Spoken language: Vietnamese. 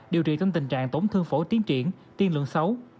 điều trị trong tình trạng tổn thương phổi tiến triển tiên lượng xấu